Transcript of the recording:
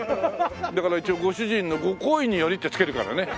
だから一応ご主人のご厚意によりってつけるからね。